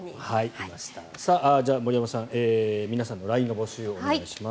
じゃあ、森山さん皆さんのＬＩＮＥの募集をお願いします。